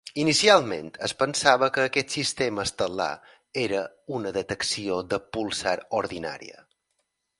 Inicialment, es pensava que aquest sistema estel·lar era una detecció de púlsar ordinària.